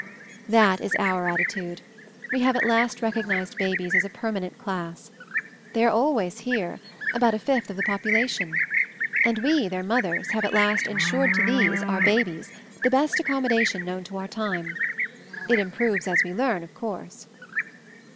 "That is our attitude. We have at last recognized babies as a permanent class. They are always here, about a fifth of the popu lation. And we, their mothers, have at last ensured to these, our babies, the best ac commodation known to our time. It im proves as we learn, of course."